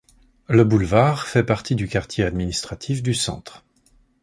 Le boulevard fait partie du quartier administratif du centre.